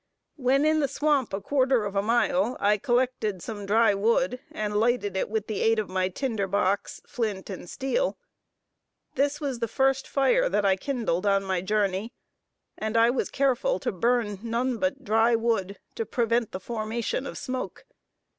When in the swamp a quarter of a mile, I collected some dry wood and lighted it with the aid of my tinder box, flint, and steel. This was the first fire that I kindled on my journey, and I was careful to burn none but dry wood, to prevent the formation of smoke.